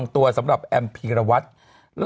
ข่าวใส่ใคร